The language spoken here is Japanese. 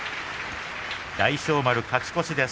大翔丸、勝ち越しです。